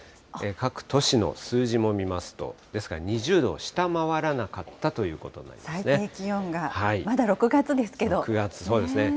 各都市の数字も見ますと、ですから２０度を下回らなかったという最低気温が、まだ６月ですけ６月、そうですね。